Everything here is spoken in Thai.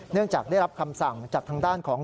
เนื่องจากได้รับคำสั่งจากทางด้านของ